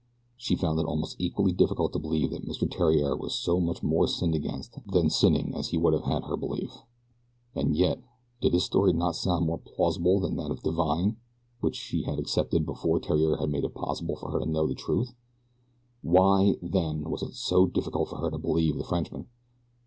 She found it almost equally difficult to believe that Mr. Theriere was so much more sinned against than sinning as he would have had her believe. And yet, did his story not sound even more plausible than that of Divine which she had accepted before Theriere had made it possible for her to know the truth? Why, then, was it so difficult for her to believe the Frenchman?